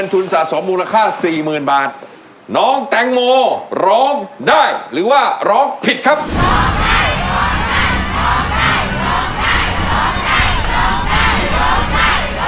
โรคใจโรคใจโรคใจโรคใจโรคใจโรคใจโรคใจโรคใจโรคใจ